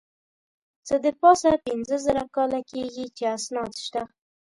څه د پاسه پینځه زره کاله کېږي چې اسناد شته.